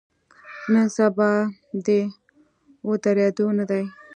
نن سبا د ودریدو نه دی.